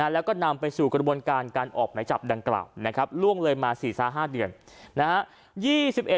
แล้วก็นำไปสู่กระบวนการการออกไหมจับดังกล่าวนะครับล่วงเลยมา๔๕เดือนนะครับ